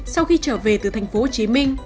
sau khi trở về từ tp hcm